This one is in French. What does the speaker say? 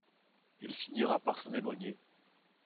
Il finira par s'en éloigner.